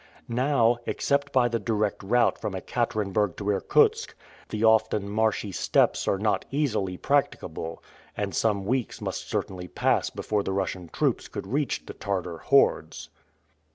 Now, except by the direct route from Ekaterenburg to Irkutsk, the often marshy steppes are not easily practicable, and some weeks must certainly pass before the Russian troops could reach the Tartar hordes.